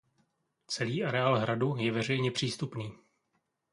Celý areál hradu je veřejně přístupný.